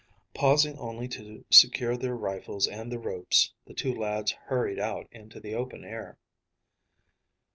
Pausing only to secure their rifles and the ropes, the two lads hurried out into the open air.